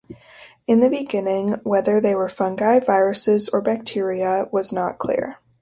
In the beginning, whether they were fungi, viruses, or bacteria was not clear.